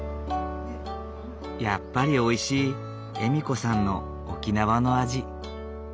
やっぱりおいしい笑子さんの沖縄の味。